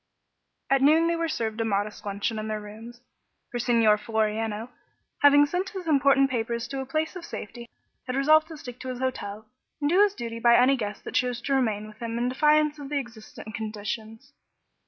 At noon they were served a modest luncheon in their rooms, for Signor Floriano, having sent his important papers to a place of safety, had resolved to stick to his hotel and do his duty by any guests that chose to remain with him in defiance of the existent conditions.